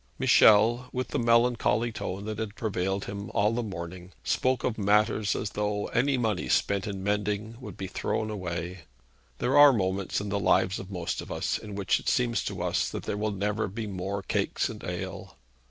Michel, with the melancholy tone that had prevailed with him all the morning, spoke of matters as though any money spent in mending would be thrown away. There are moments in the lives of most of us in which it seems to us that there will never be more cakes and ale.